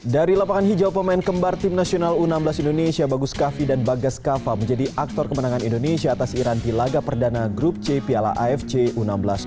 dari lapangan hijau pemain kembar tim nasional u enam belas indonesia bagus kavi dan bagas kava menjadi aktor kemenangan indonesia atas iran di laga perdana grup c piala afc u enam belas dua ribu dua